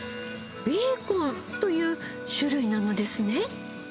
ベーコンという種類なのですね？